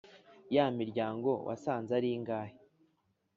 ya miryango wasanze ari ingahe’